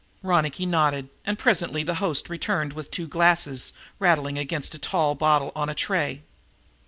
Ronicky nodded, and presently the host returned with two glasses, rattling against a tall bottle on a tray.